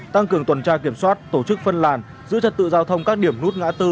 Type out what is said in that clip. tăng cường tuần tra kiểm soát tổ chức phân làn giữ trật tự giao thông các điểm nút ngã tư